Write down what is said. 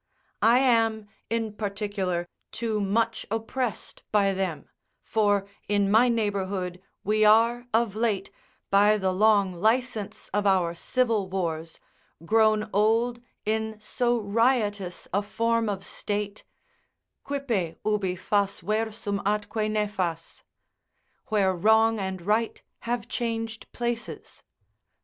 I am, in particular, too much oppressed by them: for, in my neighbourhood, we are, of late, by the long licence of our civil wars, grown old in so riotous a form of state, "Quippe ubi fas versum atque nefas," ["Where wrong and right have changed places."